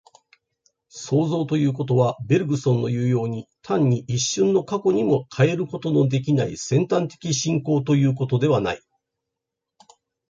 創造ということは、ベルグソンのいうように、単に一瞬の過去にも還ることのできない尖端的進行ということではない。